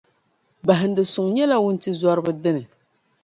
Bahindisuŋ nyɛla wuntizɔriba dini.